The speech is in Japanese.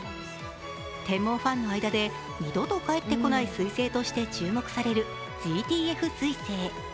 天文ファンの間で、二度と帰って来ない彗星として注目されるＺＴＦ彗星。